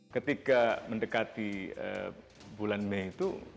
ketika mendekati bulan mei itu